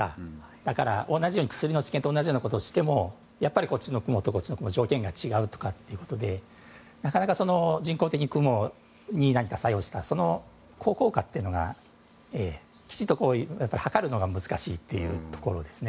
だから、薬の治験と同じようなことをしてもやっぱりこっちの雲とこっちの雲では条件が違うということでなかなか、人工的に雲に何か作用した、その効果をきちんと測ることが難しいんですよね。